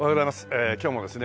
ええ今日もですね